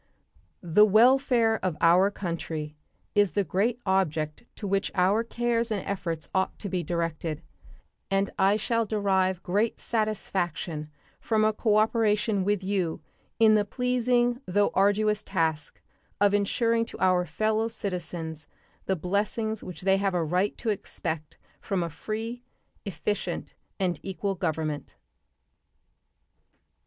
The welfare of our country is the great object to which our cares and efforts ought to be directed, and I shall derive great satisfaction from a cooperation with you in the pleasing though arduous task of insuring to our fellow citizens the blessings which they have a right to expect from a free, efficient, and equal government.